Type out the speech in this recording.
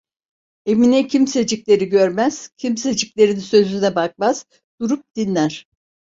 Emine kimsecikleri görmez, kimseciklerin sözüne bakmaz, durup dinler…